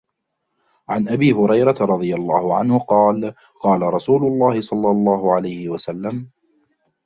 عن أبي هريرةَ رَضِي اللهُ عَنْهُ قالَ: قالَ رسولُ اللهِ صَلَّى اللهُ عَلَيْهِ وَسَلَّمَ: